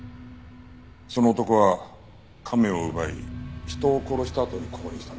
その男は亀を奪い人を殺したあとにここに来たんだ。